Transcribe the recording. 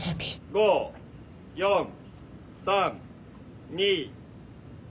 ・５４３２。